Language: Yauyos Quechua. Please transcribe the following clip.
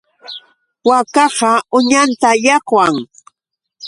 Waakaqa uñanta llaqwan.